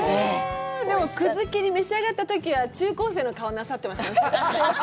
でも、葛きり召し上がったときは、中高生の顔をなさってましたよ。